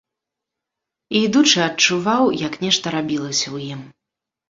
І ідучы адчуваў, як нешта рабілася ў ім.